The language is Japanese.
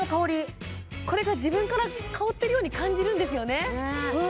これが自分から香ってるように感じるんですよねわ